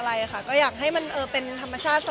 แบบจะชัดเซนมั่งขึ้นหรือยังคะ